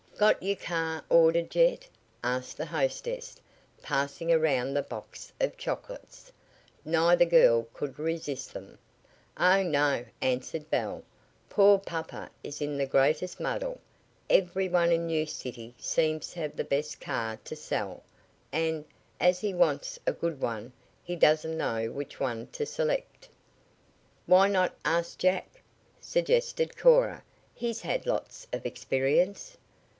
"Got your car ordered yet?" asked the hostess, passing around the box of chocolates. Neither girl could resist them. "Oh, no," answered Belle. "Poor papa is in the greatest muddle. Every one in New City seems to have the best car to sell, and, as he wants a good one, he doesn't know which one to select." "Why not ask Jack?" suggested Cora. "He's had lots of experience."